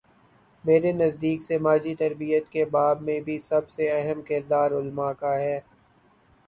میرے نزدیک سماجی تربیت کے باب میں بھی سب سے اہم کردار علما کا ہے۔